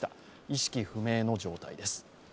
意識不明の状態です。